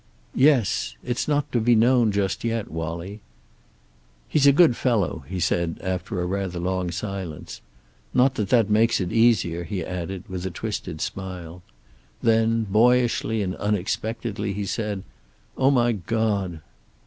"Yes. It's not to be known just yet, Wallie." "He's a good fellow," he said, after rather a long silence. "Not that that makes it easier," he added with a twisted smile. Then, boyishly and unexpectedly he said, "Oh, my God!"